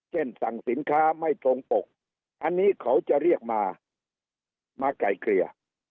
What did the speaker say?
สั่งสินค้าไม่ตรงปกอันนี้เขาจะเรียกมามาไกลเกลี่ย